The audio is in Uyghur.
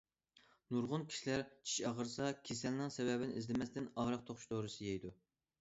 نۇرغۇن كىشىلەر چىش ئاغرىسا كېسەلنىڭ سەۋەبىنى ئىزدىمەستىن ئاغرىق توختىتىش دورىسىنى يەيدۇ.